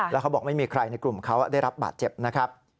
แล้วเขาบอกไม่มีใครในกลุ่มเขาได้รับบาดเจ็บนะครับ